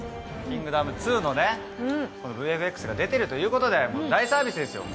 『キングダム２』のねこのＶＦＸが出てるということで大サービスですよ。